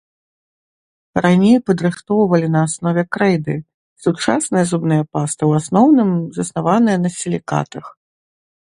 Раней падрыхтоўвалі на аснове крэйды, сучасныя зубныя пасты ў асноўным заснаваныя на сілікатах.